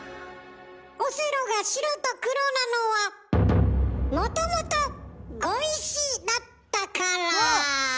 オセロが白と黒なのはもともと碁石だったから。